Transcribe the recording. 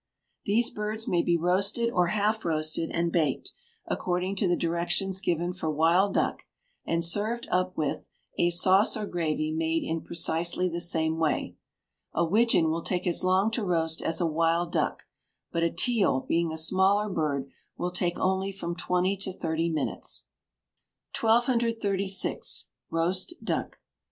These birds may be roasted or half roasted and baked, according to the directions given for wild duck, and served up with, a sauce or gravy made in precisely the same way. A widgeon will take as long to roast as a wild duck, but a teal, being a smaller bird, will take only from twenty to thirty minutes. 1236. Roast Duck.